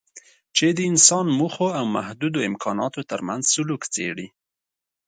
چې د انسان موخو او محدودو امکاناتو ترمنځ سلوک څېړي.